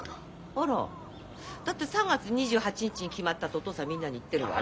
あらだって３月２８日に決まったってお父さんみんなに言ってるわよ。